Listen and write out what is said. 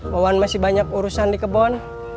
wawan masih banyak urusan di kebon